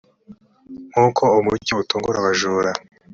nk uko umucyo utungura abajura